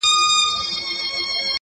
هغه به چيري اوسي باران اوري، ژلۍ اوري.